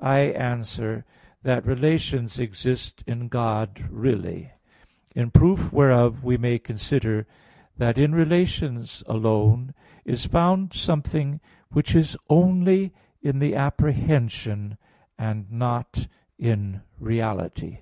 I answer that, relations exist in God really; in proof whereof we may consider that in relations alone is found something which is only in the apprehension and not in reality.